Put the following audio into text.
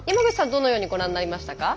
どのようにご覧になりましたか？